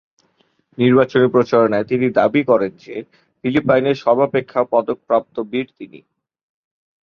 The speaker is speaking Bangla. নির্বাচনী প্রচারণায় তিনি দাবী করেন যে, ফিলিপাইনের সর্বাপেক্ষা পদকপ্রাপ্ত বীর তিনি।